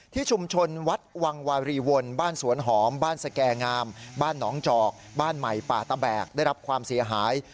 ที่ชุมชนวัดวังวารีวลบ้านสวนหอมบ้านสแก่งามบ้านหนองจอกบ้านใหม่ป่าตะแบกได้รับความเสียหาย